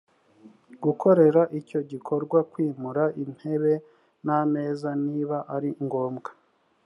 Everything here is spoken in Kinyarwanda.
gukorera icyo gikorwa kwimura intebe n ameza niba ari ngombwa